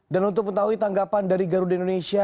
dan untuk mengetahui tanggapan dari garuda indonesia